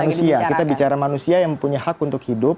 manusia kita bicara manusia yang punya hak untuk hidup